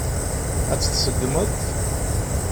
Ad tt-tseggmeḍ?